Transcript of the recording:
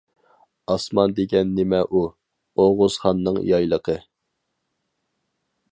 -ئاسمان دېگەن نېمە ئۇ؟ -ئوغۇزخاننىڭ يايلىقى.